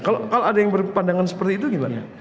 kalau ada yang berpandangan seperti itu gimana